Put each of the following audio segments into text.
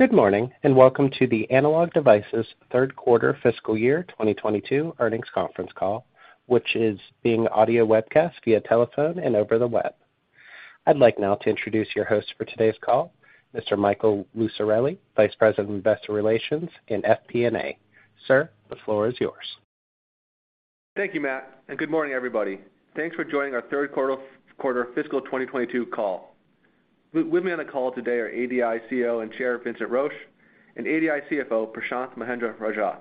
Good morning, and welcome to the Analog Devices Third Quarter Fiscal Year 2022 Earnings Conference Call, which is being audio webcast via telephone and over the web. I'd like now to introduce your host for today's call, Mr. Michael Lucarelli, Vice President of Investor Relations and FP&A. Sir, the floor is yours. Thank you, Matt, and good morning, everybody. Thanks for joining our third quarter fiscal 2022 call. With me on the call today are ADI CEO and Chair Vincent Roche, and ADI CFO Prashanth Mahendra-Rajah.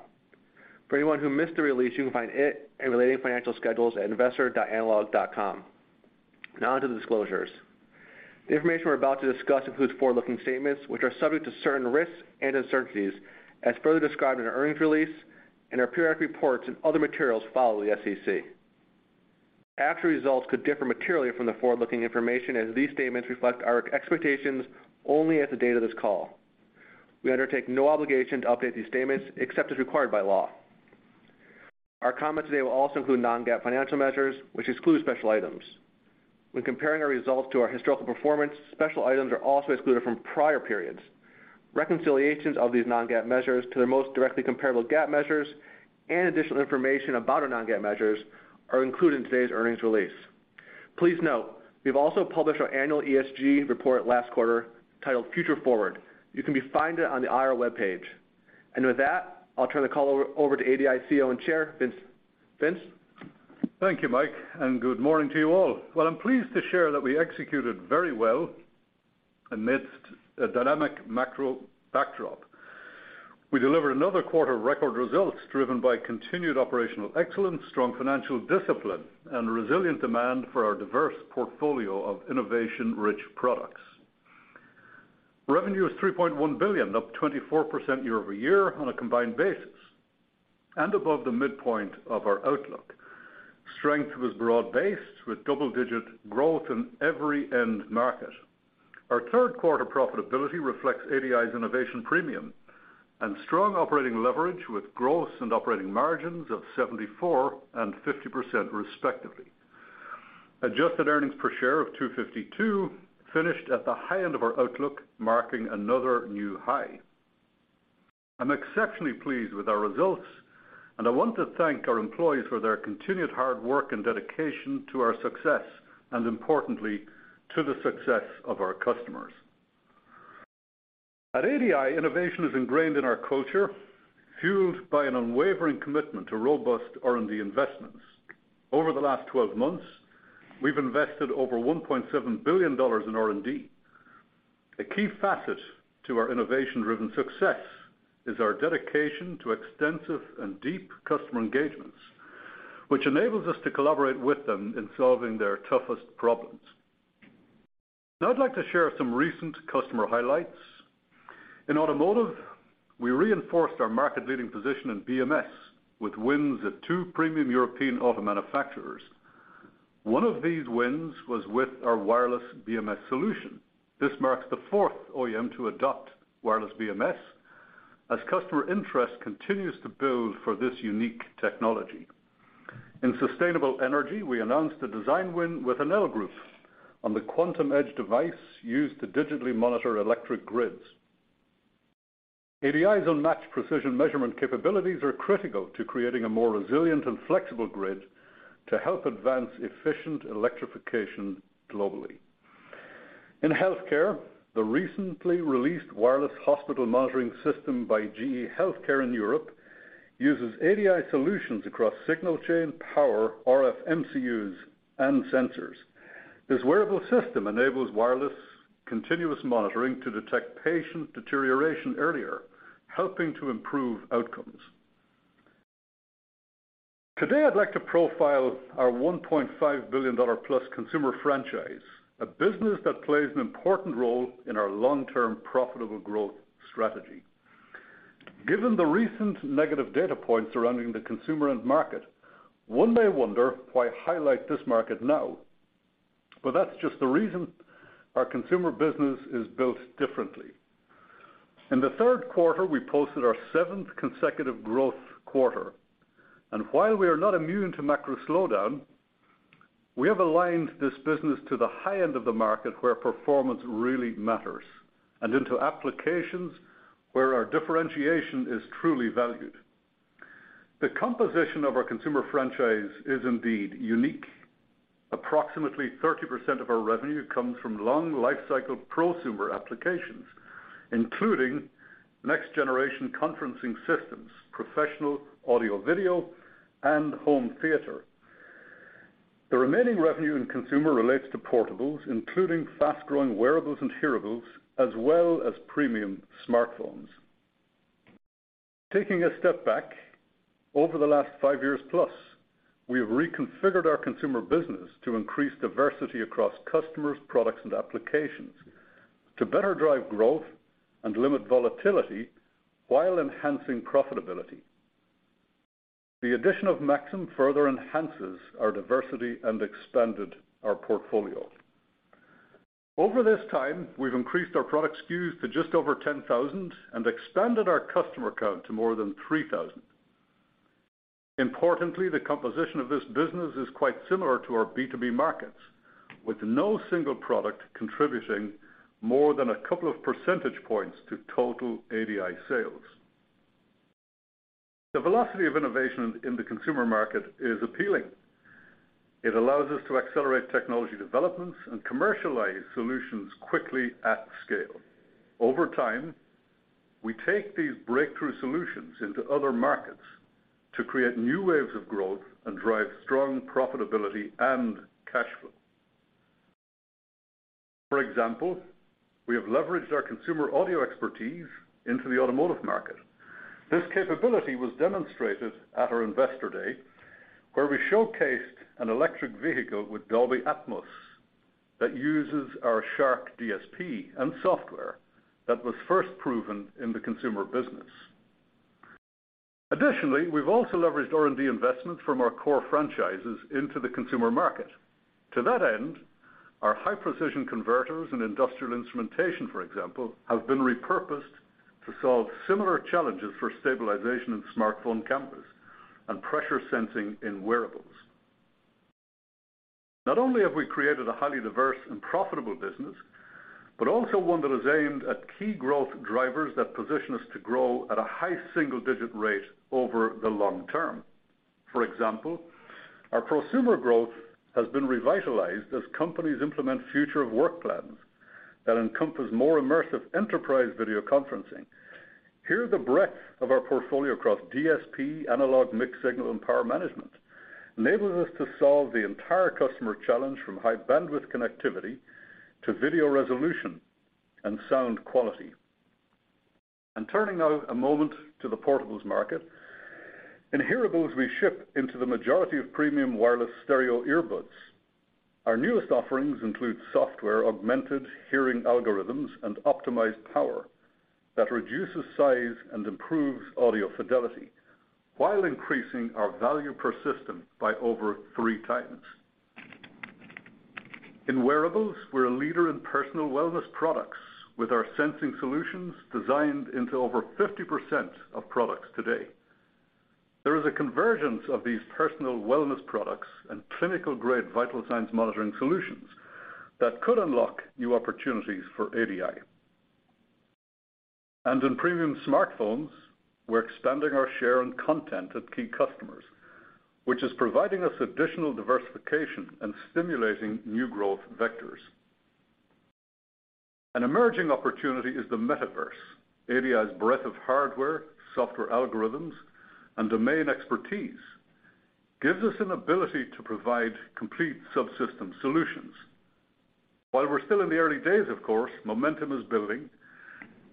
For anyone who missed the release, you can find it and related financial schedules at investor.analog.com. Now onto the disclosures. The information we're about to discuss includes forward-looking statements, which are subject to certain risks and uncertainties as further described in our earnings release and our periodic reports and other materials filed with the SEC. Actual results could differ materially from the forward-looking information as these statements reflect our expectations only as of the date of this call. We undertake no obligation to update these statements except as required by law. Our comments today will also include non-GAAP financial measures, which exclude special items. When comparing our results to our historical performance, special items are also excluded from prior periods. Reconciliations of these non-GAAP measures to their most directly comparable GAAP measures and additional information about our non-GAAP measures are included in today's earnings release. Please note, we've also published our annual ESG report last quarter titled Future Forward. You can find it on the IR webpage. With that, I'll turn the call over to ADI CEO and Chair, Vince. Thank you, Mike, and good morning to you all. Well, I'm pleased to share that we executed very well amidst a dynamic macro backdrop. We delivered another quarter of record results driven by continued operational excellence, strong financial discipline, and resilient demand for our diverse portfolio of innovation-rich products. Revenue is $3.1 billion, up 24% year-over-year on a combined basis, and above the midpoint of our outlook. Strength was broad-based with double-digit growth in every end market. Our third quarter profitability reflects ADI's innovation premium and strong operating leverage with gross and operating margins of 74% and 50% respectively. Adjusted earnings per share of $2.52 finished at the high end of our outlook, marking another new high. I'm exceptionally pleased with our results, and I want to thank our employees for their continued hard work and dedication to our success, and importantly, to the success of our customers. At ADI, innovation is ingrained in our culture, fueled by an unwavering commitment to robust R&D investments. Over the last 12 months, we've invested over $1.7 billion in R&D. A key facet to our innovation-driven success is our dedication to extensive and deep customer engagements, which enables us to collaborate with them in solving their toughest problems. Now I'd like to share some recent customer highlights. In automotive, we reinforced our market-leading position in BMS with wins at 2 premium European auto manufacturers. One of these wins was with our wireless BMS solution. This marks the fourth OEM to adopt wireless BMS as customer interest continues to build for this unique technology. In sustainable energy, we announced a design win with Enel Group on the Quantum Edge device used to digitally monitor electric grids. ADI's unmatched precision measurement capabilities are critical to creating a more resilient and flexible grid to help advance efficient electrification globally. In healthcare, the recently released wireless hospital monitoring system by GE HealthCare in Europe uses ADI solutions across signal chain, power, RF MCUs, and sensors. This wearable system enables wireless continuous monitoring to detect patient deterioration earlier, helping to improve outcomes. Today, I'd like to profile our $1.5 billion-plus consumer franchise, a business that plays an important role in our long-term profitable growth strategy. Given the recent negative data points surrounding the consumer end market, one may wonder why highlight this market now. That's just the reason our consumer business is built differently. In the third quarter, we posted our seventh consecutive growth quarter. While we are not immune to macro slowdown, we have aligned this business to the high end of the market where performance really matters, and into applications where our differentiation is truly valued. The composition of our consumer franchise is indeed unique. Approximately 30% of our revenue comes from long lifecycle prosumer applications, including next-generation conferencing systems, professional audio/video, and home theater. The remaining revenue in consumer relates to portables, including fast-growing wearables and hearables, as well as premium smartphones. Taking a step back, over the last 5 years plus, we have reconfigured our consumer business to increase diversity across customers, products, and applications to better drive growth and limit volatility while enhancing profitability. The addition of Maxim further enhances our diversity and expanded our portfolio. Over this time, we've increased our product SKUs to just over 10,000 and expanded our customer count to more than 3,000. Importantly, the composition of this business is quite similar to our B2B markets, with no single product contributing more than a couple of percentage points to total ADI sales. The velocity of innovation in the consumer market is appealing. It allows us to accelerate technology developments and commercialize solutions quickly at scale. Over time, we take these breakthrough solutions into other markets to create new waves of growth and drive strong profitability and cash flow. For example, we have leveraged our consumer audio expertise into the automotive market. This capability was demonstrated at our Investor Day, where we showcased an electric vehicle with Dolby Atmos that uses our SHARC DSP and software that was first proven in the consumer business. Additionally, we've also leveraged R&D investment from our core franchises into the consumer market. To that end, our high-precision converters and industrial instrumentation, for example, have been repurposed to solve similar challenges for stabilization in smartphone cameras and pressure sensing in wearables. Not only have we created a highly diverse and profitable business, but also one that is aimed at key growth drivers that position us to grow at a high single-digit rate over the long term. For example, our prosumer growth has been revitalized as companies implement future of work plans that encompass more immersive enterprise video conferencing. Here, the breadth of our portfolio across DSP, analog, mixed signal, and power management enables us to solve the entire customer challenge from high bandwidth connectivity to video resolution and sound quality. Turning now a moment to the portables market. In hearables, we ship into the majority of premium wireless stereo earbuds. Our newest offerings include software-augmented hearing algorithms and optimized power that reduces size and improves audio fidelity while increasing our value per system by over 3 times. In wearables, we're a leader in personal wellness products with our sensing solutions designed into over 50% of products today. There is a convergence of these personal wellness products and clinical-grade vital signs monitoring solutions that could unlock new opportunities for ADI. In premium smartphones, we're expanding our share and content at key customers, which is providing us additional diversification and stimulating new growth vectors. An emerging opportunity is the metaverse. ADI's breadth of hardware, software algorithms, and domain expertise gives us an ability to provide complete subsystem solutions. While we're still in the early days, of course, momentum is building,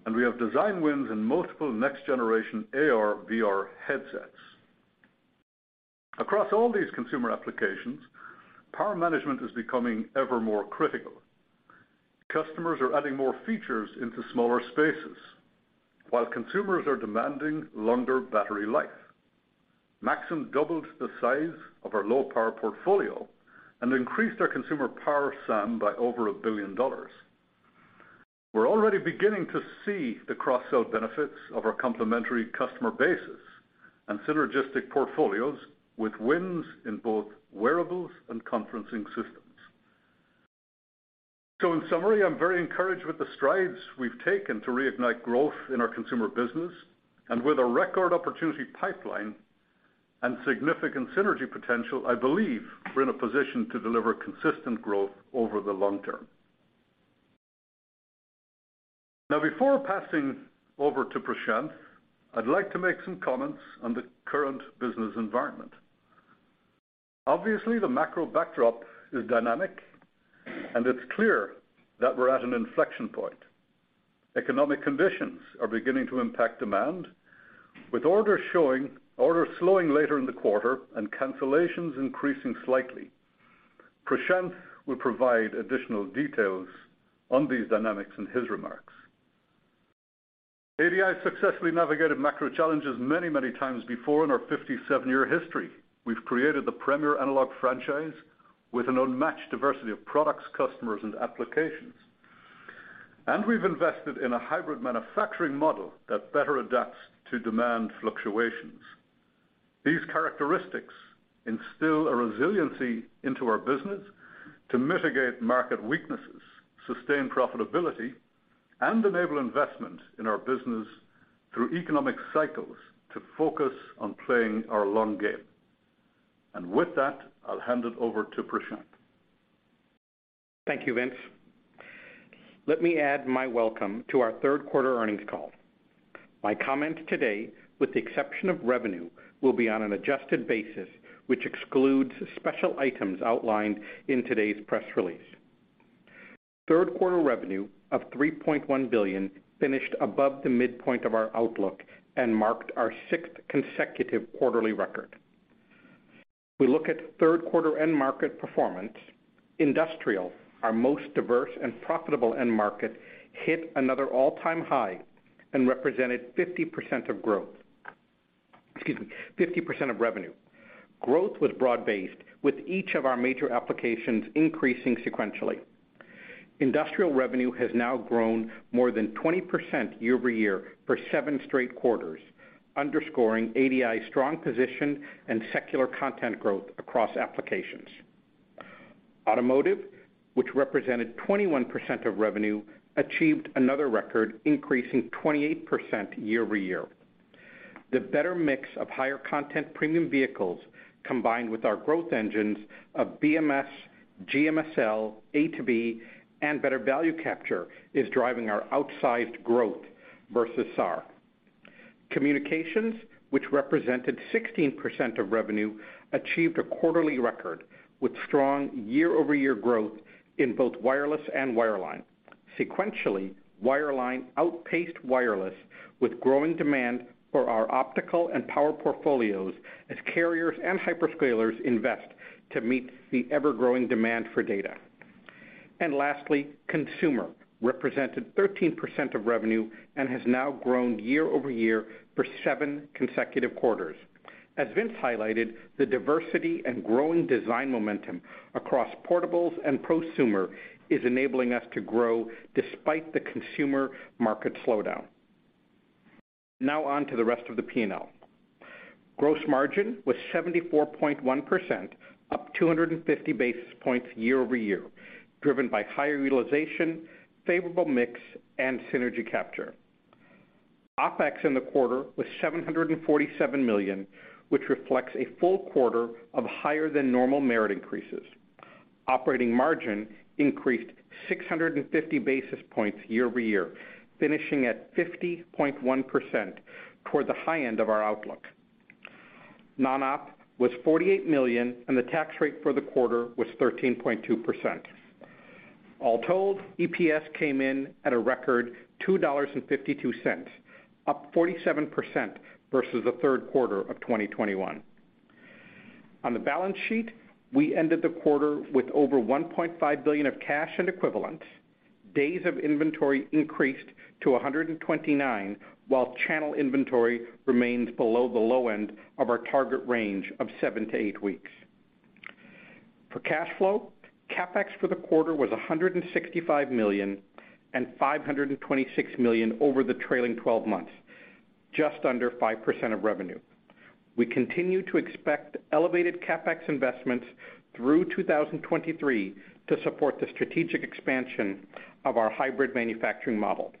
and we have design wins in multiple next-generation AR/VR headsets. Across all these consumer applications, power management is becoming ever more critical. Customers are adding more features into smaller spaces while consumers are demanding longer battery life. Maxim doubled the size of our low power portfolio and increased our consumer power SAM by over $1 billion. We're already beginning to see the cross-sell benefits of our complementary customer bases and synergistic portfolios with wins in both wearables and conferencing systems. So in summary, I'm very encouraged with the strides we've taken to reignite growth in our consumer business. With a record opportunity pipeline and significant synergy potential, I believe we're in a position to deliver consistent growth over the long term. Now before passing over to Prashanth, I'd like to make some comments on the current business environment. Obviously, the macro backdrop is dynamic, and it's clear that we're at an inflection point. Economic conditions are beginning to impact demand with orders slowing later in the quarter and cancellations increasing slightly. Prashanth will provide additional details on these dynamics in his remarks. ADI successfully navigated macro challenges many, many times before in our 57-year history. We've created the premier analog franchise with an unmatched diversity of products, customers, and applications. We've invested in a hybrid manufacturing model that better adapts to demand fluctuations. These characteristics instill a resiliency into our business to mitigate market weaknesses, sustain profitability, and enable investment in our business through economic cycles to focus on playing our long game. With that, I'll hand it over to Prashanth. Thank you, Vince. Let me add my welcome to our third quarter earnings call. My comments today, with the exception of revenue, will be on an adjusted basis, which excludes special items outlined in today's press release. Third quarter revenue of $3.1 billion finished above the midpoint of our outlook and marked our sixth consecutive quarterly record. We look at third quarter end market performance. Industrial, our most diverse and profitable end market, hit another all-time high and represented 50% of growth. Excuse me, 50% of revenue. Growth was broad-based with each of our major applications increasing sequentially. Industrial revenue has now grown more than 20% year-over-year for seven straight quarters, underscoring ADI's strong position and secular content growth across applications. Automotive, which represented 21% of revenue, achieved another record, increasing 28% year-over-year. The better mix of higher content premium vehicles, combined with our growth engines of BMS, GMSL, A2B, and better value capture is driving our outsized growth versus SAR. Communications, which represented 16% of revenue, achieved a quarterly record with strong year-over-year growth in both wireless and wireline. Sequentially, wireline outpaced wireless with growing demand for our optical and power portfolios as carriers and hyperscalers invest to meet the ever-growing demand for data. Lastly, consumer represented 13% of revenue and has now grown year-over-year for seven consecutive quarters. As Vince highlighted, the diversity and growing design momentum across portables and prosumer is enabling us to grow despite the consumer market slowdown. Now on to the rest of the P&L. Gross margin was 74.1%, up 250 basis points year-over-year, driven by higher utilization, favorable mix, and synergy capture. OpEx in the quarter was $747 million, which reflects a full quarter of higher than normal merit increases. Operating margin increased 650 basis points year-over-year, finishing at 50.1% toward the high end of our outlook. Non-OpEx was $48 million, and the tax rate for the quarter was 13.2%. All told, EPS came in at a record $2.52, up 47% versus the third quarter of 2021. On the balance sheet, we ended the quarter with over $1.5 billion of cash and equivalents. Days of inventory increased to 129, while channel inventory remains below the low end of our target range of 7-8 weeks. For cash flow, CapEx for the quarter was $165 million and $526 million over the trailing twelve months, just under 5% of revenue. We continue to expect elevated CapEx investments through 2023 to support the strategic expansion of our hybrid manufacturing model,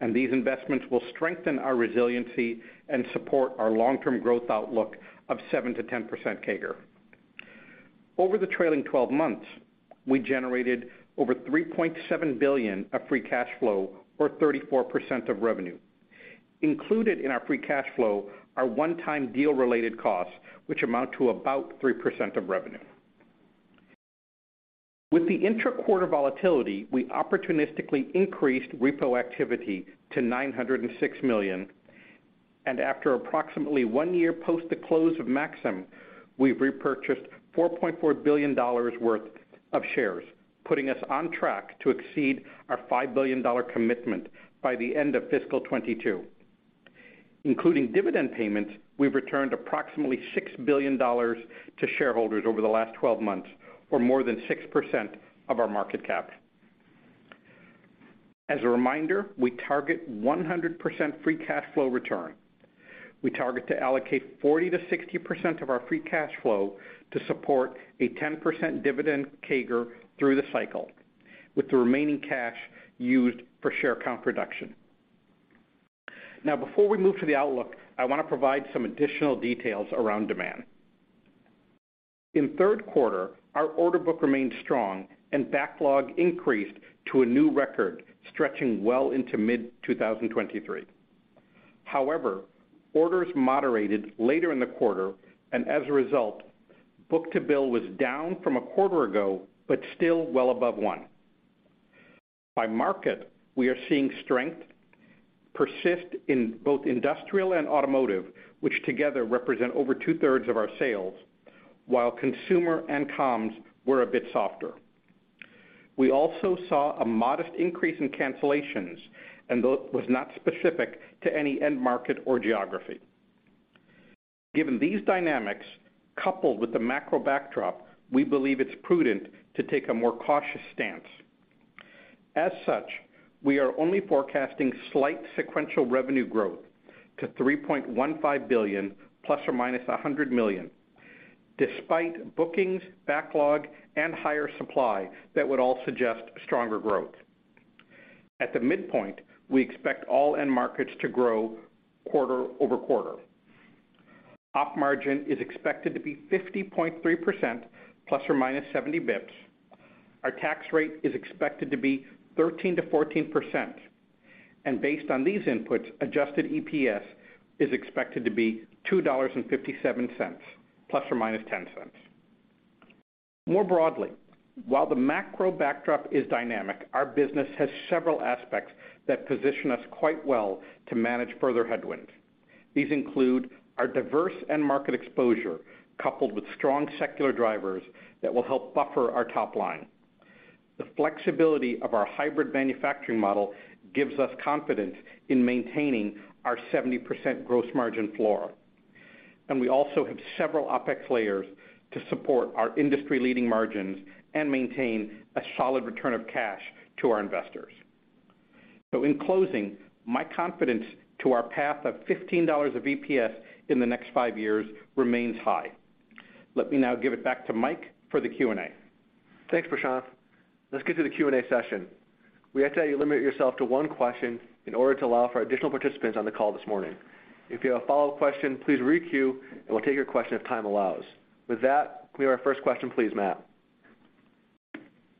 and these investments will strengthen our resiliency and support our long-term growth outlook of 7%-10% CAGR. Over the trailing twelve months, we generated over $3.7 billion of free cash flow or 34% of revenue. Included in our free cash flow are one-time deal related costs, which amount to about 3% of revenue. With the intra-quarter volatility, we opportunistically increased repo activity to $906 million, and after approximately one year post the close of Maxim, we've repurchased $4.4 billion worth of shares, putting us on track to exceed our $5 billion commitment by the end of fiscal 2022. Including dividend payments, we've returned approximately $6 billion to shareholders over the last 12 months, or more than 6% of our market cap. As a reminder, we target 100% free cash flow return. We target to allocate 40%-60% of our free cash flow to support a 10% dividend CAGR through the cycle, with the remaining cash used for share count reduction. Now before we move to the outlook, I want to provide some additional details around demand. In third quarter, our order book remained strong and backlog increased to a new record, stretching well into mid-2023. However, orders moderated later in the quarter, and as a result, book-to-bill was down from a quarter ago, but still well above 1. By market, we are seeing strength persist in both industrial and automotive, which together represent over two-thirds of our sales, while consumer and comms were a bit softer. We also saw a modest increase in cancellations, and that was not specific to any end market or geography. Given these dynamics, coupled with the macro backdrop, we believe it's prudent to take a more cautious stance. As such, we are only forecasting slight sequential revenue growth to $3.15 billion ±$100 million, despite bookings, backlog, and higher supply that would all suggest stronger growth. At the midpoint, we expect all end markets to grow quarter over quarter. Op margin is expected to be 50.3% plus or minus 70 basis points. Our tax rate is expected to be 13%-14%. Based on these inputs, adjusted EPS is expected to be $2.57 ± $0.10. More broadly, while the macro backdrop is dynamic, our business has several aspects that position us quite well to manage further headwinds. These include our diverse end market exposure, coupled with strong secular drivers that will help buffer our top line. The flexibility of our hybrid manufacturing model gives us confidence in maintaining our 70% gross margin floor. We also have several OpEx layers to support our industry-leading margins and maintain a solid return of cash to our investors. In closing, my confidence to our path of $15 of EPS in the next 5 years remains high. Let me now give it back to Mike for the Q&A. Thanks, Prashanth. Let's get to the Q&A session. We ask that you limit yourself to one question in order to allow for additional participants on the call this morning. If you have a follow-up question, please re-queue, and we'll take your question if time allows. With that, give me our first question please, Matt.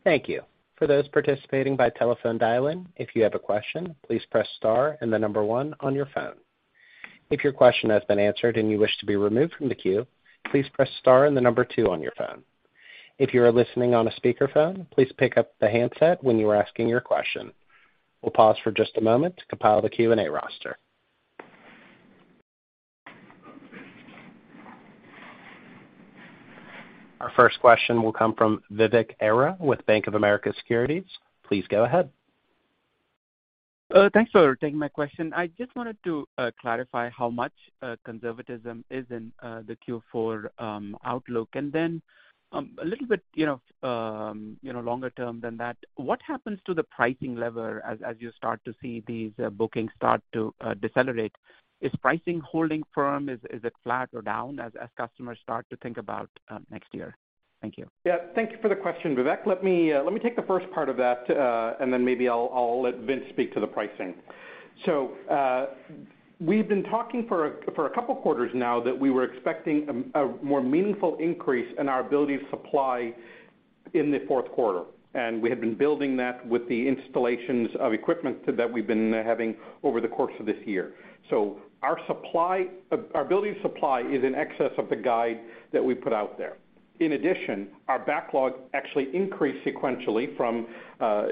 Thank you. For those participating by telephone dial-in, if you have a question, please press star and the number one on your phone. If your question has been answered and you wish to be removed from the queue, please press star and the number two on your phone. If you are listening on a speakerphone, please pick up the handset when you are asking your question. We'll pause for just a moment to compile the Q&A roster. Our first question will come from Vivek Arya with Bank of America Securities. Please go ahead. Thanks for taking my question. I just wanted to clarify how much conservatism is in the Q4 outlook, and then a little bit, you know, longer term than that, what happens to the pricing level as you start to see these bookings start to decelerate? Is pricing holding firm? Is it flat or down as customers start to think about next year? Thank you. Yeah. Thank you for the question, Vivek. Let me take the first part of that, and then maybe I'll let Vince speak to the pricing. We've been talking for a couple quarters now that we were expecting a more meaningful increase in our ability to supply in the fourth quarter. We have been building that with the installations of equipment that we've been having over the course of this year. Our supply, our ability to supply is in excess of the guide that we put out there. In addition, our backlog actually increased sequentially from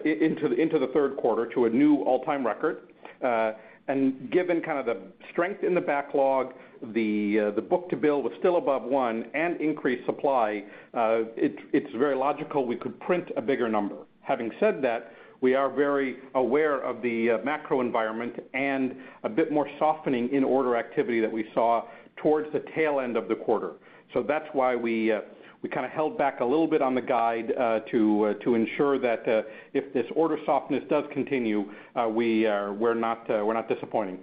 into the third quarter to a new all-time record. Given kind of the strength in the backlog, the book-to-bill was still above one and increased supply, it's very logical we could print a bigger number. Having said that, we are very aware of the macro environment and a bit more softening in order activity that we saw towards the tail end of the quarter. That's why we kinda held back a little bit on the guide to ensure that if this order softness does continue, we're not disappointing.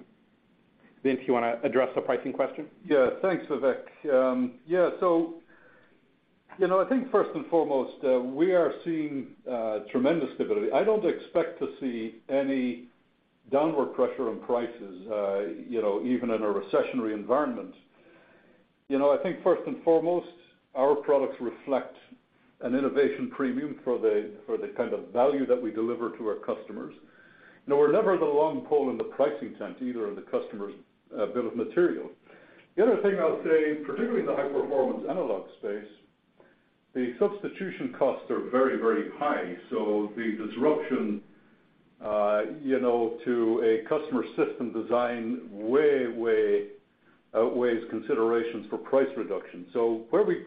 Vince, you wanna address the pricing question? Yeah. Thanks, Vivek. Yeah, so, you know, I think first and foremost, we are seeing tremendous stability. I don't expect to see any downward pressure on prices, you know, even in a recessionary environment. You know, I think first and foremost, our products reflect an innovation premium for the kind of value that we deliver to our customers. You know, we're never the long pole in the pricing tent either in the customer's bill of material. The other thing I'll say, particularly in the high-performance analog space, the substitution costs are very, very high, so the disruption to a customer system design way outweighs considerations for price reduction. Where we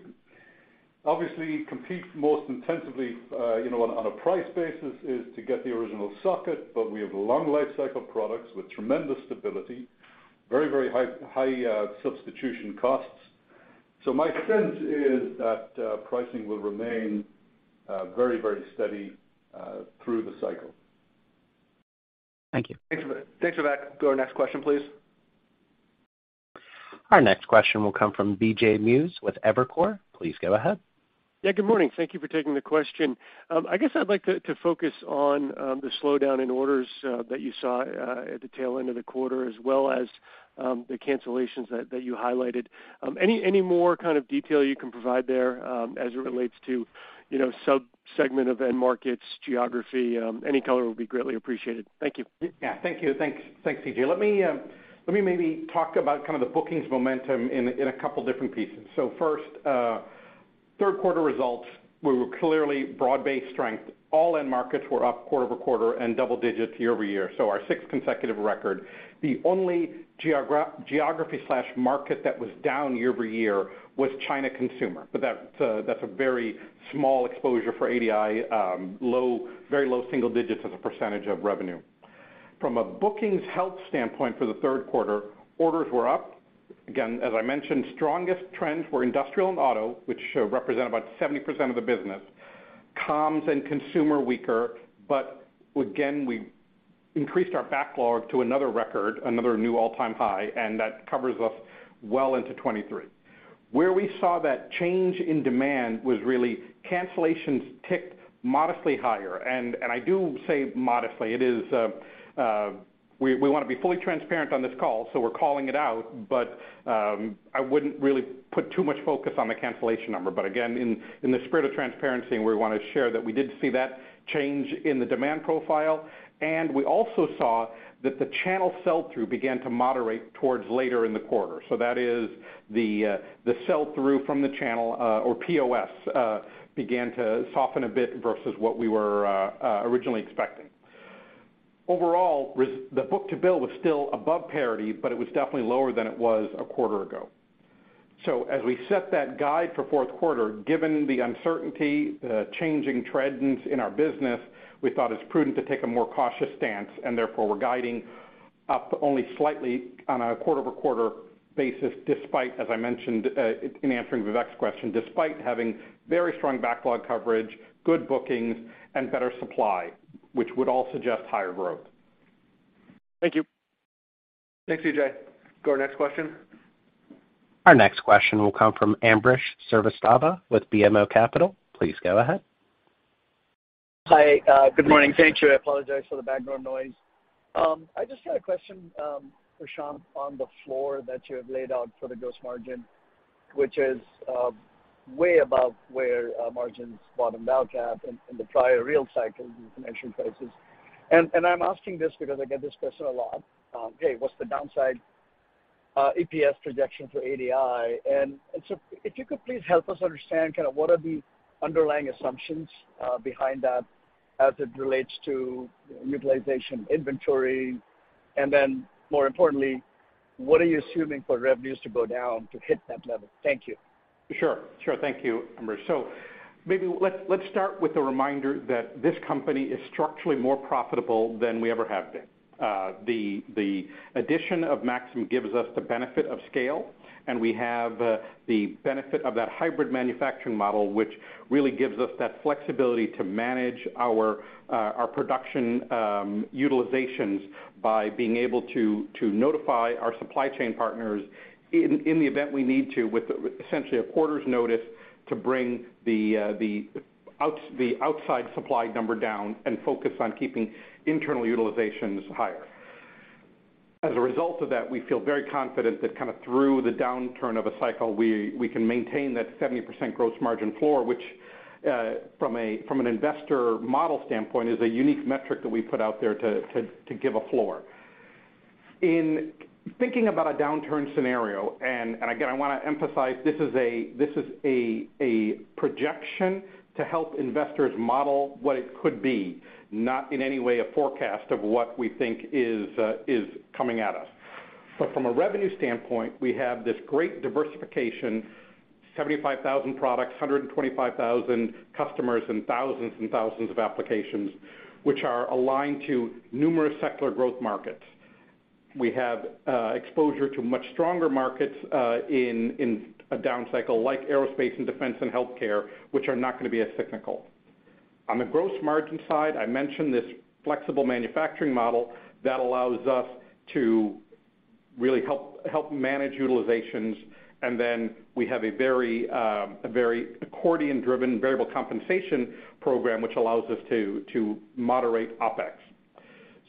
obviously compete most intensively, you know, on a price basis is to get the original socket, but we have long lifecycle products with tremendous stability, very high substitution costs. My sense is that pricing will remain very steady through the cycle. Thank you. Thanks, Vivek. Go to our next question, please. Our next question will come from CJ Muse with Evercore. Please go ahead. Yeah, good morning. Thank you for taking the question. I guess I'd like to focus on the slowdown in orders that you saw at the tail end of the quarter, as well as the cancellations that you highlighted. Any more kind of detail you can provide there, as it relates to, you know, sub-segment of end markets, geography, any color would be greatly appreciated. Thank you. Yeah, thank you. Thanks, C.J. Let me maybe talk about kind of the bookings momentum in a couple different pieces. First, third quarter results were clearly broad-based strength. All end markets were up quarter-over-quarter and double digits year-over-year, so our sixth consecutive record. The only geography/market that was down year-over-year was China consumer, but that's a very small exposure for ADI, low, very low single digits as a percentage of revenue. From a bookings health standpoint for the third quarter, orders were up. Again, as I mentioned, strongest trends were industrial and auto, which represent about 70% of the business. Comms and consumer weaker, but again, we increased our backlog to another record, another new all-time high, and that covers us well into 2023. Where we saw that change in demand was really cancellations ticked modestly higher. I do say modestly. It is, we wanna be fully transparent on this call, so we're calling it out, but I wouldn't really put too much focus on the cancellation number. But again, in the spirit of transparency, we wanna share that we did see that change in the demand profile, and we also saw that the channel sell-through began to moderate towards later in the quarter. That is the sell-through from the channel, or POS, began to soften a bit versus what we were originally expecting. Overall, the book-to-bill was still above parity, but it was definitely lower than it was a quarter ago. As we set that guide for fourth quarter, given the uncertainty, the changing trends in our business, we thought it's prudent to take a more cautious stance, and therefore we're guiding up only slightly on a quarter-over-quarter basis, despite, as I mentioned, in answering Vivek's question, despite having very strong backlog coverage, good bookings, and better supply, which would all suggest higher growth. Thank you. Thanks, CJ. Go to our next question. Our next question will come from Ambrish Srivastava with BMO Capital Markets. Please go ahead. Hi, good morning. Thank you. I apologize for the background noise. I just had a question, Prashant, on the floor that you have laid out for the gross margin, which is way above where margins bottomed out at in the prior real cycle you can mention prices. I'm asking this because I get this question a lot: "Hey, what's the downside EPS projection for ADI?" If you could please help us understand kind of what are the underlying assumptions behind that as it relates to utilization inventory, and then more importantly, what are you assuming for revenues to go down to hit that level? Thank you. Sure. Thank you, Ambrish. Maybe let's start with the reminder that this company is structurally more profitable than we ever have been. The addition of Maxim gives us the benefit of scale, and we have the benefit of that hybrid manufacturing model, which really gives us that flexibility to manage our production utilizations by being able to notify our supply chain partners in the event we need to, with essentially a quarter's notice to bring the outside supply number down and focus on keeping internal utilizations higher. As a result of that, we feel very confident that kind of through the downturn of a cycle, we can maintain that 70% gross margin floor, which from an investor model standpoint is a unique metric that we put out there to give a floor. In thinking about a downturn scenario, and again, I wanna emphasize, this is a projection to help investors model what it could be, not in any way a forecast of what we think is coming at us. From a revenue standpoint, we have this great diversification, 75,000 products, 125,000 customers, and thousands and thousands of applications, which are aligned to numerous secular growth markets. We have exposure to much stronger markets in a down cycle like aerospace and defense and healthcare, which are not gonna be as cyclical. On the gross margin side, I mentioned this flexible manufacturing model that allows us to really help manage utilizations. We have a very accordion-driven variable compensation program, which allows us to moderate OpEx.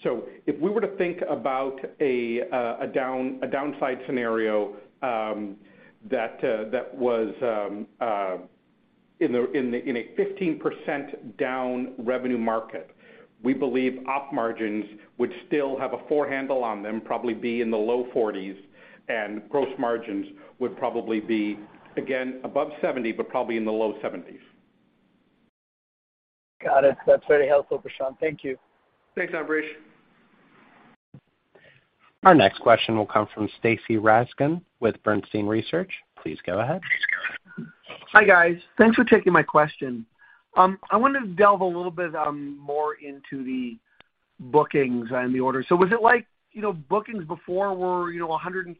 If we were to think about a downside scenario that was in a 15% down revenue market, we believe operating margins would still have a four handle on them, probably be in the low 40s%, and gross margins would probably be, again, above 70%, but probably in the low 70s%. Got it. That's very helpful, Prashant. Thank you. Thanks, Ambrish. Our next question will come from Stacy Rasgon with Bernstein Research. Please go ahead. Hi, guys. Thanks for taking my question. I wanna delve a little bit more into the bookings and the orders. Was it like, you know, bookings before were, you know, 150%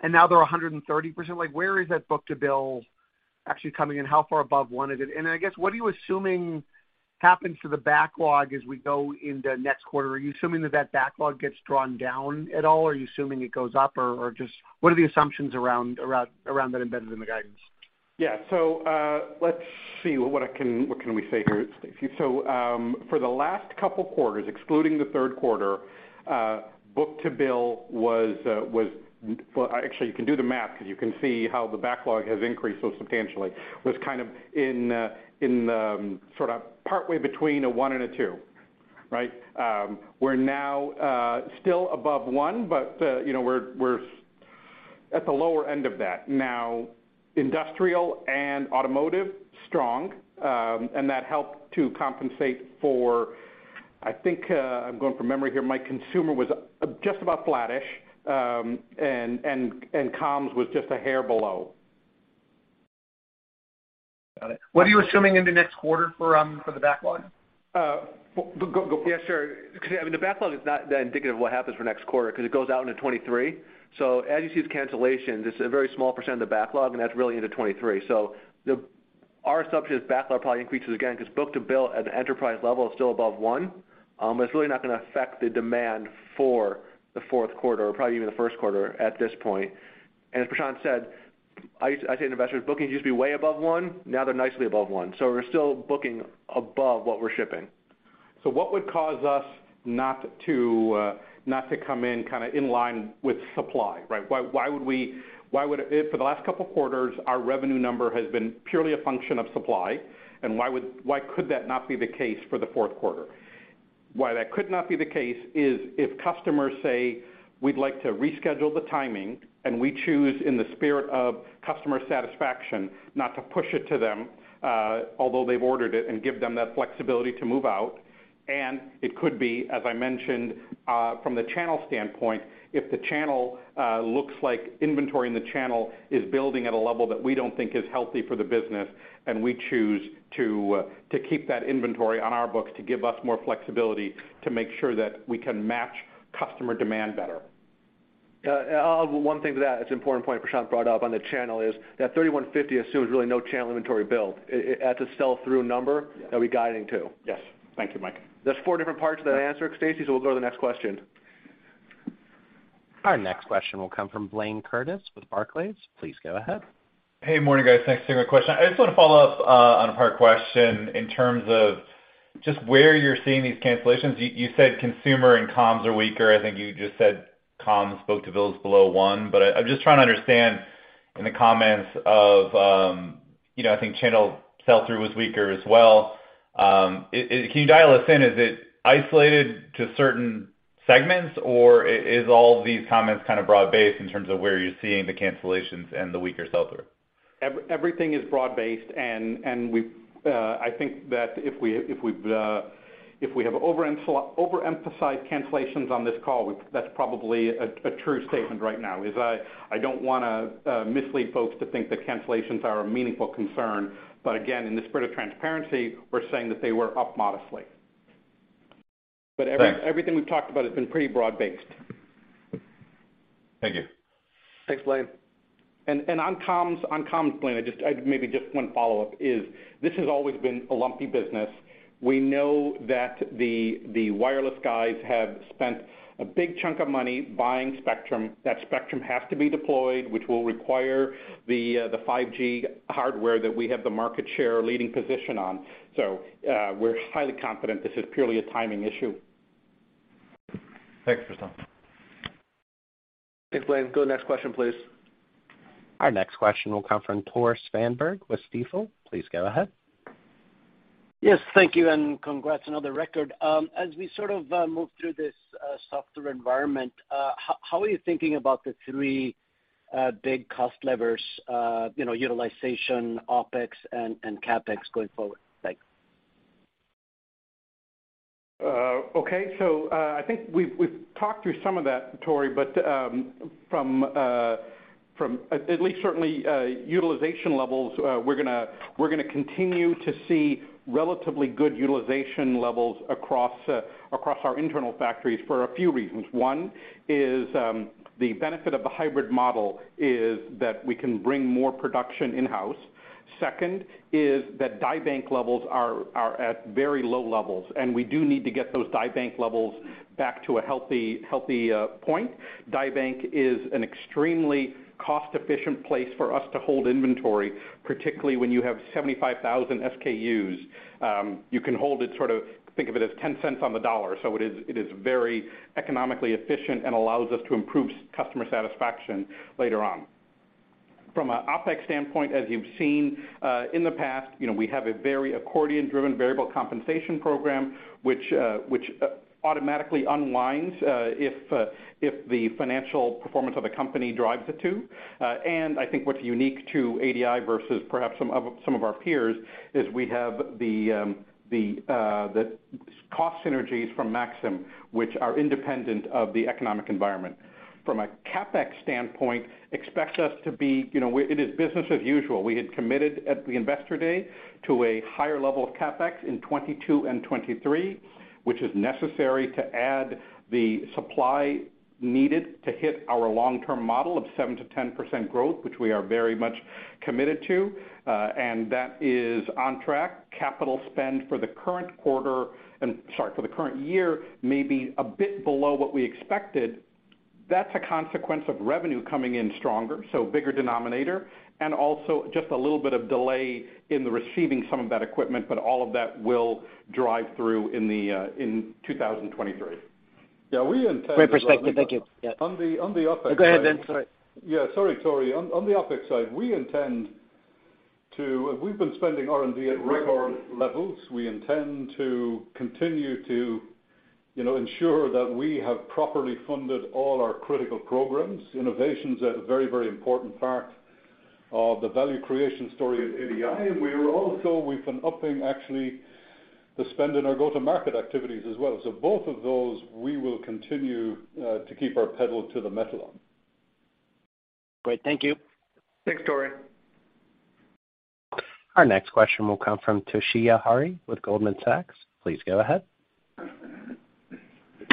and now they're 130%? Like, where is that book-to-bill actually coming in? How far above 1 is it? And I guess, what are you assuming happens to the backlog as we go into next quarter? Are you assuming that that backlog gets drawn down at all? Are you assuming it goes up or just what are the assumptions around that embedded in the guidance? Yeah. Let's see. What can we say here, Stacy? For the last couple quarters, excluding the third quarter, book-to-bill was. Well, actually, you can do the math 'cause you can see how the backlog has increased so substantially, was kind of in sort of partway between a 1 and a 2, right? We're now still above 1, but you know, we're at the lower end of that. Now, industrial and automotive, strong, and that helped to compensate for, I think, I'm going from memory here. My consumer was just about flattish, and comms was just a hair below. Got it. What are you assuming in the next quarter for the backlog? Well. Yeah, sure. 'Cause I mean, the backlog is not that indicative of what happens for next quarter 'cause it goes out into 2023. As you see with cancellations, it's a very small % of the backlog, and that's really into 2023. Our assumption is backlog probably increases again, 'cause book-to-bill at an enterprise level is still above one. It's really not gonna affect the demand for the fourth quarter, probably even the first quarter at this point. As Prashant said, I say to investors, bookings used to be way above one, now they're nicely above one. We're still booking above what we're shipping. What would cause us not to come in kinda in line with supply, right? Why would we... If for the last couple quarters, our revenue number has been purely a function of supply, and why could that not be the case for the fourth quarter? Why that could not be the case is if customers say, "We'd like to reschedule the timing," and we choose, in the spirit of customer satisfaction, not to push it to them, although they've ordered it, and give them that flexibility to move out. It could be, as I mentioned, from the channel standpoint, if the channel looks like inventory in the channel is building at a level that we don't think is healthy for the business and we choose to keep that inventory on our books to give us more flexibility to make sure that we can match customer demand better. I'll add one thing to that. It's an important point Prashant brought up on the channel is that $3,150 assumes really no channel inventory build. That's a sell-through number. Yes. that we're guiding to. Yes. Thank you, Mike. There's four different parts to that answer, Stacy, so we'll go to the next question. Our next question will come from Blaine Curtis with Barclays. Please go ahead. Hey, morning, guys. Thanks for taking my question. I just want to follow up on a prior question in terms of just where you're seeing these cancellations. You said consumer and comms are weaker. I think you just said comms book-to-bills below one. I'm just trying to understand in the context of, I think channel sell-through was weaker as well. Can you dial us in? Is it isolated to certain segments, or is all these comments kind of broad-based in terms of where you're seeing the cancellations and the weaker sell-through? Everything is broad-based, and we've, I think that if we have overemphasized cancellations on this call, that's probably a true statement right now. I don't want to mislead folks to think that cancellations are a meaningful concern. Again, in the spirit of transparency, we're saying that they were up modestly. Thanks. Everything we've talked about has been pretty broad-based. Thank you. Thanks, Blayne. On comms, Blayne, I maybe just one follow-up is this has always been a lumpy business. We know that the wireless guys have spent a big chunk of money buying spectrum. That spectrum has to be deployed, which will require the 5G hardware that we have the market share leading position on. We're highly confident this is purely a timing issue. Thanks, Prashant. Thanks, Blaine. Go next question, please. Our next question will come from Tore Svanberg with Stifel. Please go ahead. Yes, thank you, and congrats, another record. As we sort of move through this softer environment, how are you thinking about the three big cost levers, you know, utilization, OpEx, and CapEx going forward? Thanks. Okay. I think we've talked through some of that, Tore. From at least certainly utilization levels, we're gonna continue to see relatively good utilization levels across our internal factories for a few reasons. One is the benefit of the hybrid model is that we can bring more production in-house. Second is that die bank levels are at very low levels, and we do need to get those die bank levels back to a healthy point. Die bank is an extremely cost-efficient place for us to hold inventory, particularly when you have 75,000 SKUs. You can hold it sort of think of it as 10 cents on the dollar. It is very economically efficient and allows us to improve customer satisfaction later on. From an OpEx standpoint, as you've seen in the past, you know, we have a very accordion-driven variable compensation program, which automatically unwinds if the financial performance of the company drives it to. I think what's unique to ADI versus perhaps some of our peers is we have the cost synergies from Maxim, which are independent of the economic environment. From a CapEx standpoint, expect us to be, you know, it is business as usual. We had committed at the Investor Day to a higher level of CapEx in 2022 and 2023, which is necessary to add the supply needed to hit our long-term model of 7%-10% growth, which we are very much committed to, and that is on track. Capital spend for the current quarter and, sorry, for the current year may be a bit below what we expected. That's a consequence of revenue coming in stronger, so bigger denominator, and also just a little bit of delay in receiving some of that equipment, but all of that will drive through in 2023. Yeah, we intend. Great perspective. Thank you. Yeah. On the OpEx side. Go ahead then. Sorry. Yeah, sorry, Tore. On the OpEx side, we've been spending R&D at record levels. We intend to continue to, you know, ensure that we have properly funded all our critical programs. Innovation's a very, very important part of the value creation story at ADI. We're also, we've been upping actually the spend in our go-to-market activities as well. Both of those, we will continue to keep our pedal to the metal on. Great. Thank you. Thanks, Tore. Our next question will come from Toshiya Hari with Goldman Sachs. Please go ahead.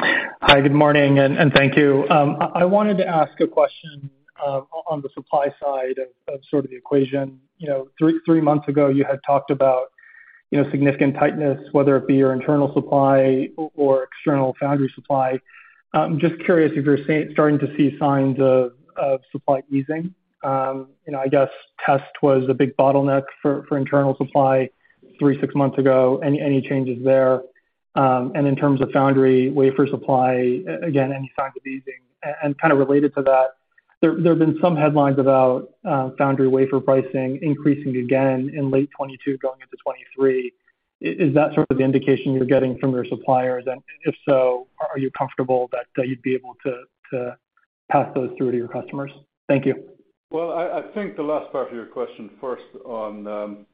Hi, good morning, and thank you. I wanted to ask a question on the supply side of sort of the equation. You know, 3 months ago, you had talked about, you know, significant tightness, whether it be your internal supply or external foundry supply. Just curious if you're starting to see signs of supply easing. You know, I guess test was a big bottleneck for internal supply 3-6 months ago. Any changes there? In terms of foundry wafer supply, again, any signs of easing? Kind of related to that, there have been some headlines about foundry wafer pricing increasing again in late 2022, going into 2023. Is that sort of the indication you're getting from your suppliers? If so, are you comfortable that you'd be able to pass those through to your customers? Thank you. I think the last part of your question first on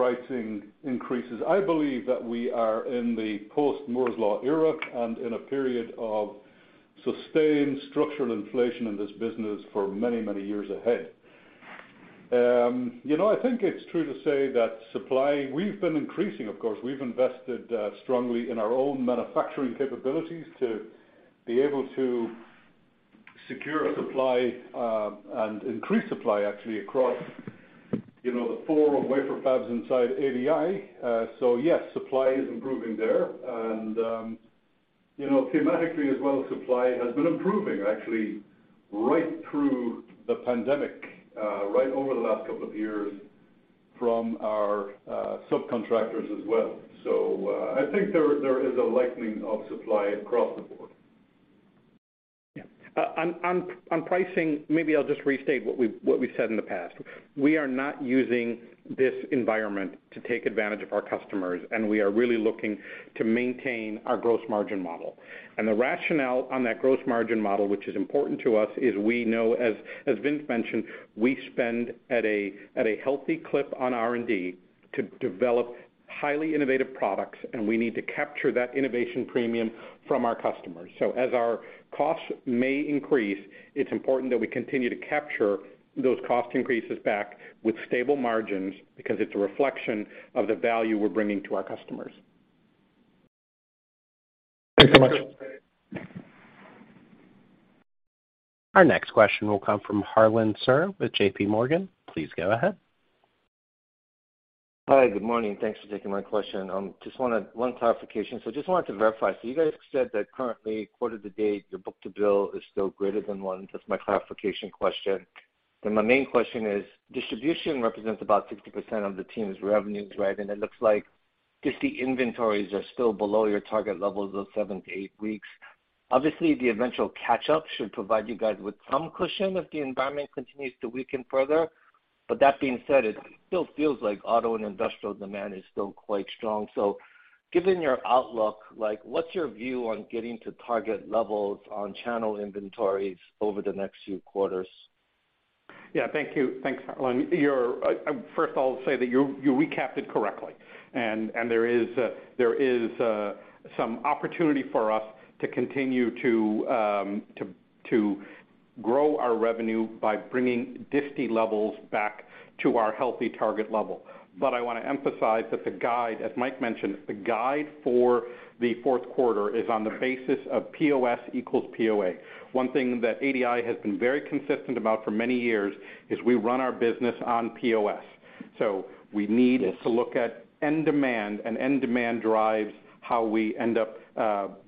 pricing increases. I believe that we are in the post-Moore's Law era and in a period of sustained structural inflation in this business for many, many years ahead. You know, I think it's true to say that supply we've been increasing, of course. We've invested strongly in our own manufacturing capabilities to be able to secure supply and increase supply actually across you know the four wafer fabs inside ADI. So yes, supply is improving there. You know, thematically as well, supply has been improving actually right through the pandemic right over the last couple of years from our subcontractors as well. I think there is a lightening of supply across the board. Yeah, on pricing, maybe I'll just restate what we said in the past. We are not using this environment to take advantage of our customers, and we are really looking to maintain our gross margin model. The rationale on that gross margin model, which is important to us, is we know, as Vince mentioned, we spend at a healthy clip on R&D to develop highly innovative products, and we need to capture that innovation premium from our customers. As our costs may increase, it's important that we continue to capture those cost increases back with stable margins because it's a reflection of the value we're bringing to our customers. Thanks so much. Our next question will come from Harlan Sur with J.P. Morgan. Please go ahead. Hi. Good morning. Thanks for taking my question. Just wanted one clarification. Just wanted to verify. You guys said that currently quarter-to-date, your book-to-bill is still greater than 1. Just my clarification question. My main question is distribution represents about 60% of the team's revenues, right? And it looks like disty inventories are still below your target levels of 7-8 weeks. Obviously, the eventual catch-up should provide you guys with some cushion if the environment continues to weaken further. But that being said, it still feels like auto and industrial demand is still quite strong. Given your outlook, like, what's your view on getting to target levels on channel inventories over the next few quarters? Yeah. Thank you. Thanks, Harlan. First of all, I say that you recapped it correctly, and there is some opportunity for us to continue to grow our revenue by bringing disty levels back to our healthy target level. But I want to emphasize that the guide, as Mike mentioned, the guide for the fourth quarter is on the basis of POS equals POA. One thing that ADI has been very consistent about for many years is we run our business on POS. So we need to look at end demand, and end demand drives how we end up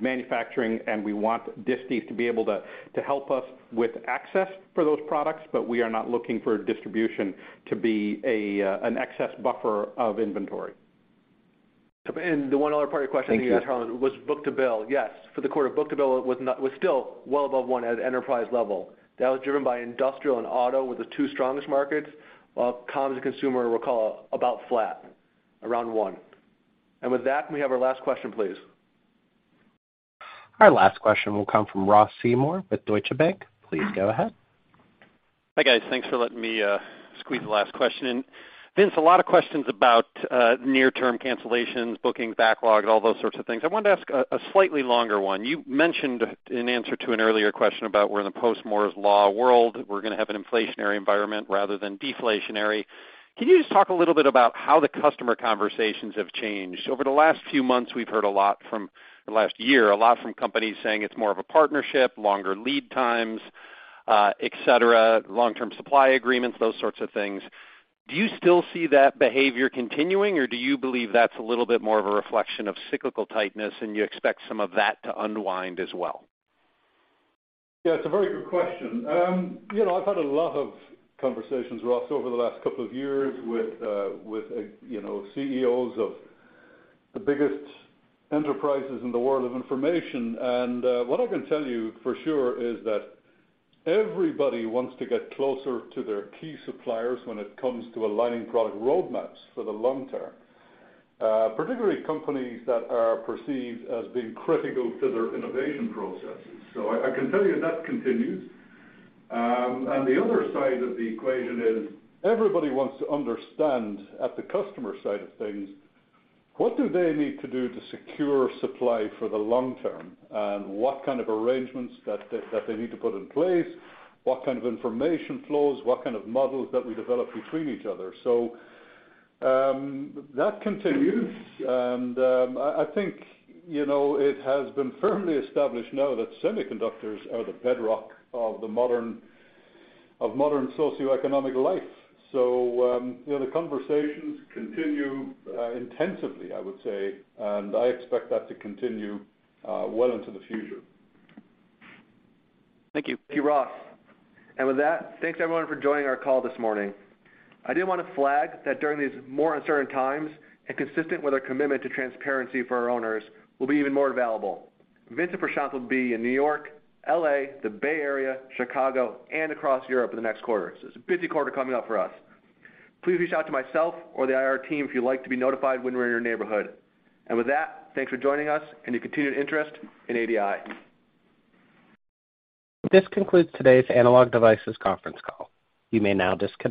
manufacturing. We want disties to be able to help us with access for those products, but we are not looking for distribution to be an excess buffer of inventory. The one other part of your question, Harlan, was book-to-bill. Yes, for the quarter, book-to-bill was still well above one at enterprise level. That was driven by industrial and auto were the two strongest markets, while comms and consumer were about flat, around one. With that, can we have our last question, please? Our last question will come from Ross Seymore with Deutsche Bank. Please go ahead. Hi, guys. Thanks for letting me squeeze the last question in. Vince, a lot of questions about near-term cancellations, bookings, backlog, and all those sorts of things. I wanted to ask a slightly longer one. You mentioned in answer to an earlier question about we're in the post Moore's Law world, we're gonna have an inflationary environment rather than deflationary. Can you just talk a little bit about how the customer conversations have changed? Over the last few months, we've heard a lot from, the last year, a lot from companies saying it's more of a partnership, longer lead times, et cetera, long-term supply agreements, those sorts of things. Do you still see that behavior continuing, or do you believe that's a little bit more of a reflection of cyclical tightness and you expect some of that to unwind as well? Yeah, it's a very good question. You know, I've had a lot of conversations, Ross, over the last couple of years with you know, CEOs of the biggest enterprises in the world of information. What I can tell you for sure is that everybody wants to get closer to their key suppliers when it comes to aligning product roadmaps for the long term, particularly companies that are perceived as being critical to their innovation processes. I can tell you that continues. The other side of the equation is everybody wants to understand at the customer side of things, what do they need to do to secure supply for the long term, and what kind of arrangements that they need to put in place, what kind of information flows, what kind of models that we develop between each other. That continues. I think, you know, it has been firmly established now that semiconductors are the bedrock of the modern socioeconomic life. You know, the conversations continue intensively, I would say, and I expect that to continue well into the future. Thank you. Thank you, Ross. With that, thanks everyone for joining our call this morning. I did wanna flag that during these more uncertain times, and consistent with our commitment to transparency for our owners, we'll be even more available. Vince and Prashant will be in New York, L.A., the Bay Area, Chicago, and across Europe in the next quarter, so it's a busy quarter coming up for us. Please reach out to myself or the IR team if you'd like to be notified when we're in your neighborhood. With that, thanks for joining us and your continued interest in ADI. This concludes today's Analog Devices conference call. You may now disconnect.